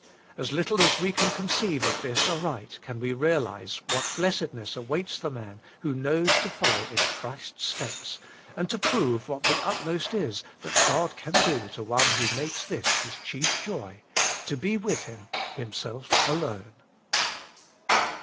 As little as we can conceive of this aright, can we realise what blessedness awaits the man who knows to follow in Christ's steps, and to prove what the utmost is that God can do to one who makes this his chief joy — to be with Him, Himself alone.